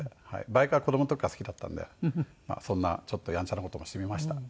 バイクは子供の時から好きだったんでそんなちょっとヤンチャな事もしてみました。